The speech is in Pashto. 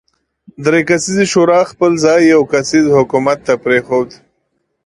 درې کسیزې شورا خپل ځای یو کسیز حکومت ته پرېښود.